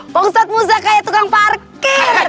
pak ustadz muza kayak tukang parkir